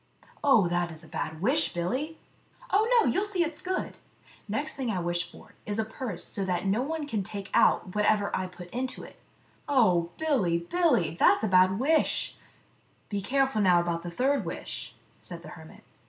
" Oh, that 's a bad wish, Billy." " Oh, no ; you '11 see it 's good. Next thing I wish for is a purse so that no one can take out whatever I put into it." 56 Billy Duffy and the Devil. " Oh, Billy, Billy ! that 's a bad wish. Be careful now about the third wish," said the hermit.